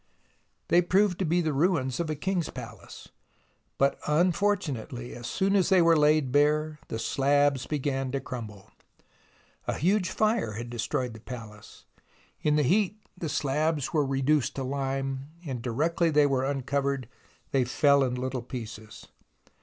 They proved to be the ruins of a king's palace, but unfortunately as soon as they were laid bare the slabs began to crumble. A huge fire had destroyed the palace. In the heat the slabs were reduced to lime, and directly they were uncovered they fell in little pieces.